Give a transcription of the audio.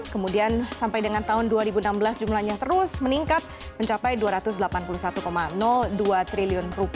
kemudian sampai dengan tahun dua ribu enam belas jumlahnya terus meningkat mencapai rp dua ratus delapan puluh satu dua triliun